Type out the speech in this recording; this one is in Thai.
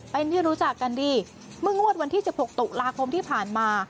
เป็นที่รู้จักกันดีเมื่องวดวันที่๑๖ตุลาคมที่ผ่านมา